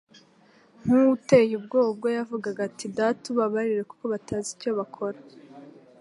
nk'uwo uteye ubwoba, ubwo yavugaga ati : «Data ubabarire kuko batazi icyo bakora.'»